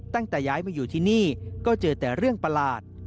ตั้งแต่ย้ายมาอยู่ที่นี่ก็เจอแต่เรื่องประหลาด